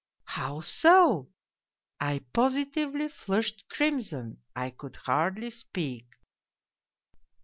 "' How so ?' I positively flushed crimson, I could hardly speak.